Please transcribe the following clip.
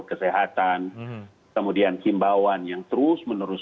bagaimana pengetahuan terhadap protokol